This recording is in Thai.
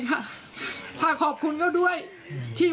หนูก็พูดอย่างงี้หนูก็พูดอย่างงี้